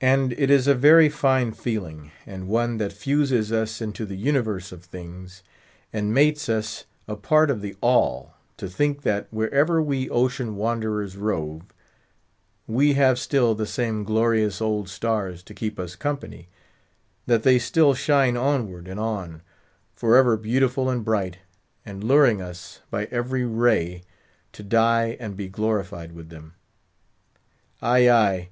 And it is a very fine feeling, and one that fuses us into the universe of things, and mates us a part of the All, to think that, wherever we ocean wanderers rove, we have still the same glorious old stars to keep us company; that they still shine onward and on, forever beautiful and bright, and luring us, by every ray, to die and be glorified with them. Ay, ay!